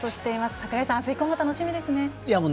櫻井さん、あす以降も楽しみですね。